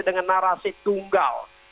dengan narasi tunggal